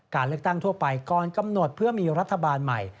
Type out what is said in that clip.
การเลือกตั้งทั่วไปก่อนกำหนดเพื่อมีรัฐบาลใหม่